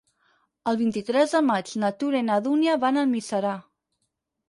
El vint-i-tres de maig na Tura i na Dúnia van a Almiserà.